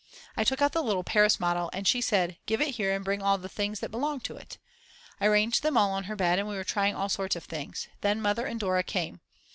I took out the little Paris model and she said: Give it here and bring all the things that belong to it. I arranged them all on her bed and we were trying all sorts of things. Then Mother and Dora came.